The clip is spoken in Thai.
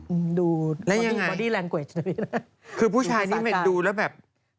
อืมแล้วยังไงคือผู้ชายนี้เหมือนดูแล้วแบบ